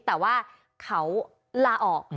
แต่ว่าเขาลาออก